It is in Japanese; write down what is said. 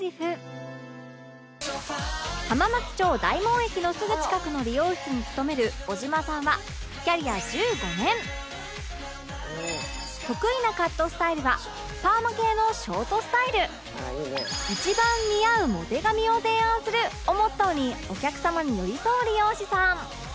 浜松町大門駅のすぐ近くの理容室に勤める小島さんは得意なカットスタイルは「一番似合うモテ髪を提案する」をモットーにお客様に寄り添う理容師さん